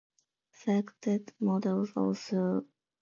Selected models also include variable exhaust.